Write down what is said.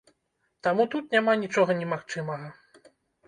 Таму тут няма нічога немагчымага.